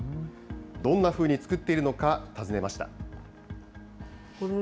どんなふうに作っているのか、訪ねました。